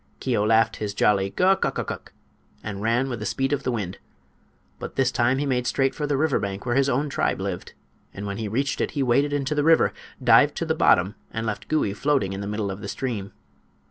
Keo laughed his jolly "guk uk uk uk!" and ran with the speed of the wind. But this time he made straight for the river bank where his own tribe lived, and when he reached it he waded into the river, dived to the bottom and left Gouie floating in the middle of the stream.